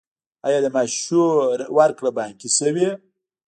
آیا د معاشونو ورکړه بانکي شوې؟